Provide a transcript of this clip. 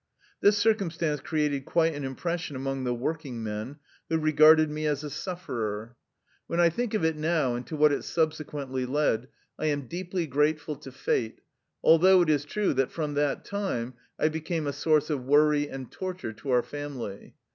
This circum stance created quite an impression among the working men, who regarded me as a sufferer. 22 THE LIFE STORY OF A RUSSIAN EXILE When I think of it now and to what it subse quently led, I am deeply grateful to fate, al though it is true that, from that time, I became a source of worry and torture to our family.